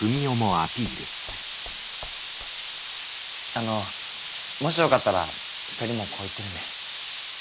あのもしよかったら２人もこう言ってるんで。